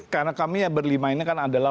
karena kami yang berlima ini kan adalah